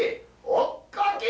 「追っかけ」